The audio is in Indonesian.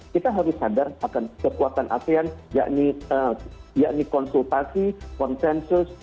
kita harus sadar akan kekuatan asean yakni konsultasi konsensus